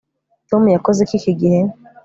Tom yakoze iki iki gihe